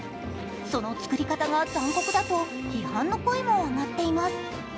その作り方が残酷だと批判の声も上がっています。